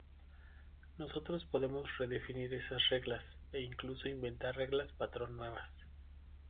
Nosotros podemos redefinir esas reglas, e incluso inventar reglas patrón nuevas.